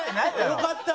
よかった！